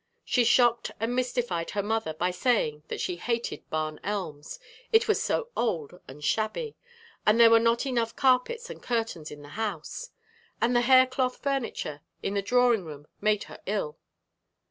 She shocked and mystified her mother by saying that she hated Barn Elms it was so old and shabby, and there were not enough carpets and curtains in the house; and the hair cloth furniture in the drawing room made her ill.